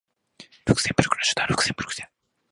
ルクセンブルクの首都はルクセンブルクである